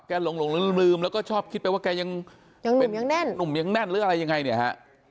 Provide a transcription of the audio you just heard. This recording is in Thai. แค่หลงลืมแล้วก็ชอบคิดไปว่ายังหนุ่มยังแน่นหรือแรงยังไงเนี่ยฮะ